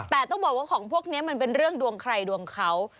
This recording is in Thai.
แต่ต้องบอกว่าของพวกนี้มันเป็นเรื่องดวงใครดวงเขา